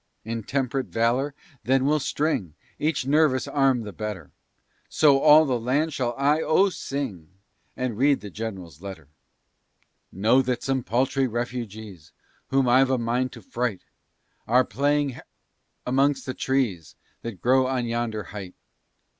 "Intemp'rate valor then will string Each nervous arm the better; So all the land shall I O sing, And read the Gen'ral's letter. "Know that some paltry refugees, Whom I've a mind to fright, Are playing h l amongst the trees That grow on yonder height.